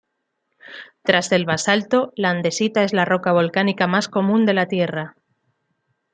Tras el basalto, la andesita es la roca volcánica más común de la Tierra.